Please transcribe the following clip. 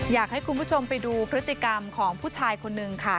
อยากให้คุณผู้ชมไปดูพฤติกรรมของผู้ชายคนนึงค่ะ